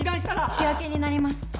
引き分けになります。